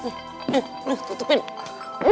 masih berisik aja nih